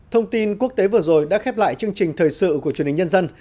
thông tin quốc tế vừa rồi đã khép lại chương trình thời sự của truyền hình nhân dân